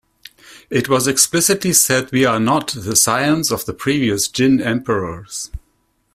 It was explicitly said we are not the scions of the previous Jin emperors.